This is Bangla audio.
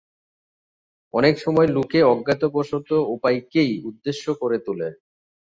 অনেক সময় লোকে অজ্ঞতাবশত উপায়কেই উদ্দেশ্য করে তোলে।